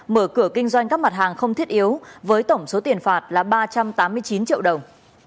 mở cửa kinh doanh các mặt hàng không thiết yếu với tổng số tiền phạt là ba trăm tám mươi chín triệu đồng